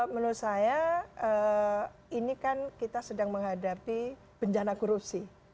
menurut saya ini kan kita sedang menghadapi bencana korupsi